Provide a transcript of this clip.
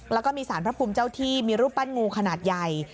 แล้วก็มีสารพระภูมิเจ้าที่มีรูปปั้นงูขนาดใหญ่